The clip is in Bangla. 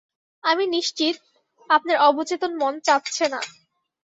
আমি নিশ্চিত, আপনার অবচেতন মন চাচ্ছে না।